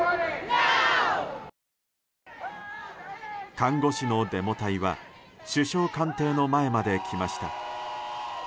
看護師のデモ隊は首相官邸の前まで来ました。